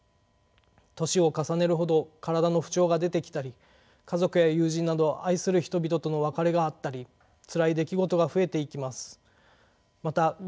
年を重ねるほど体の不調が出てきたり家族や友人など愛する人々との別れがあったりつらい出来事が増えていきます。